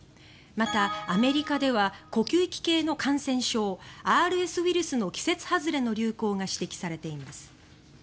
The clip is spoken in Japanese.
また、アメリカでは呼吸器系の感染症ＲＳウイルスの季節外れの流行が指摘されています。